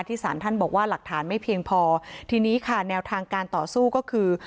สารท่านบอกว่าหลักฐานไม่เพียงพอทีนี้ค่ะแนวทางการต่อสู้ก็คือ